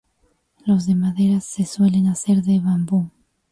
Los de madera se suelen hacer de bambú.